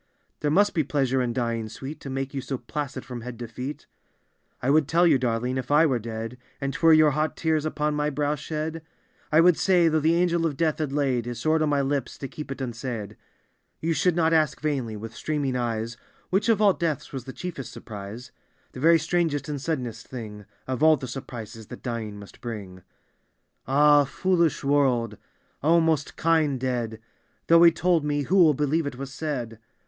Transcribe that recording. " There must be pleasure in dying, sweet, To make you so placid, from head to feet I " I would tell you, darling, if I were dead. And 'twere your hot tears upon my brow shed, —" I would say, thou^ the Angel of Death had laid His sword on my lips to keep it unsaid, —" You should not ask vainly, with streaming eyes, Which of all deaths was the chiefest surprise, " The very strangest and suddenest thing Of all the surprises that dying must bring." Ah, foolish world I O most kind dead I Though he told me, who will believe it was said?